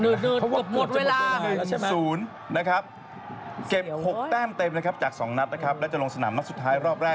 หมดเวลาสูงนะครับเก็บ๖แต้มเต็มนะครับจาก๒นัดนะครับแล้วจะลงสนามนักสุดท้ายรอบแรก